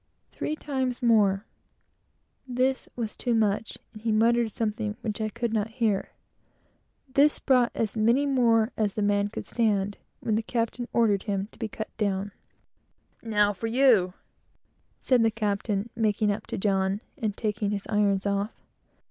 Three times more. This was too much, and he muttered something which I could not hear; this brought as many more as the man could stand; when the captain ordered him to be cut down, and to go forward. "Now for you," said the captain, making up to John and taking his irons off.